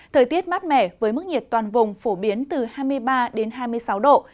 thời tiết mát mẻ với mức nhiệt toàn vùng phổ biến từ hai mươi ba đến hai mươi sáu độ